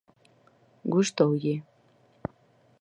¿Gustoulle?